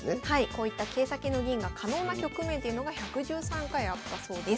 こういった桂先の銀が可能な局面というのが１１３回あったそうです。